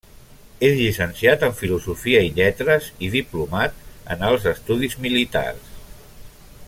És llicenciat en Filosofia i Lletres i diplomat en Alts Estudis Militars.